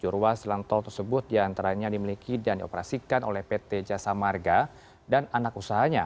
tujuh ruas jalan tol tersebut diantaranya dimiliki dan dioperasikan oleh pt jasa marga dan anak usahanya